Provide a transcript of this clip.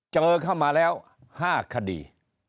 เจอเข้ามาแล้ว๕คดี